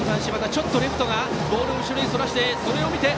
ちょっとレフトがボールを後ろにそらして。